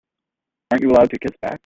Aren't you allowed to kiss back?